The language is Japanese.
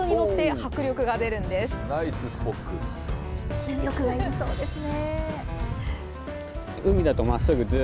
筋力がいりそうですね。